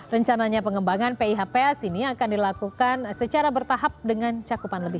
rencananya pengembangan pihps ini akan dilakukan secara bertahap dengan cakupan lebih